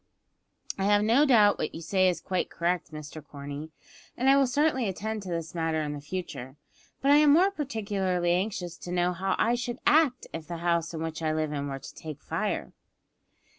"I have no doubt you say what is quite correct, Mr Corney, and I will certainly attend to this matter in future; but I am more particularly anxious to know how I should act if the house in which I live were to take fire."